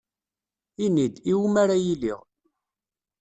Ini-d, iwumi ara iliɣ